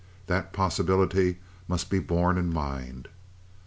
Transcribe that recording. That possibility must be borne in mind.